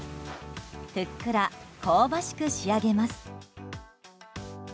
ふっくら香ばしく仕上げます。